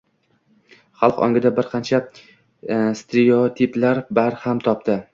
xalq ongida bir qancha stereotiplar barham topadi.